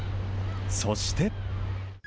そして。